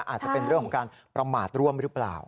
อาจจะเป็นเรื่องของการประมาทร่วมหรือเปล่า